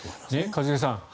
一茂さん